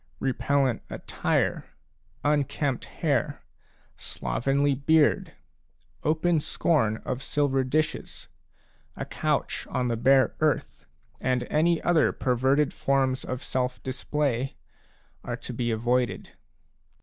Re pellent attire, unkempt hair, slovenly beard, open scorn of silver dishes, a couch on the bare earth, and any other perverted forms of self display, are to be avoided.